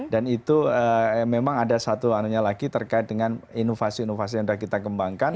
dan itu memang ada satu lagi terkait dengan inovasi inovasi yang sudah kita kembangkan